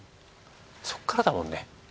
そこからだもんね。